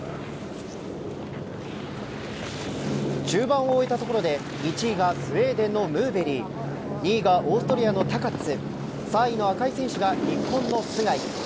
中盤を終えたところで１位がスウェーデンのムーベリ２位がオーストリアのタカッツ３位の赤い選手が日本の須貝。